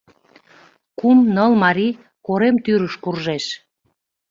Кум-ныл марий корем тӱрыш куржеш.